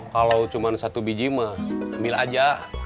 kalau cuma satu biji mah mil aja